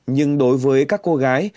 nhưng đối với các cô gái